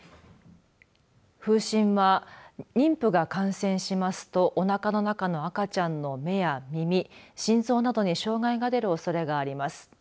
風疹は妊婦が感染しますとおなかの中の赤ちゃんの目や耳心臓などに障害が出るおそれがあります。